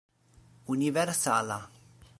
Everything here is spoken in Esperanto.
universala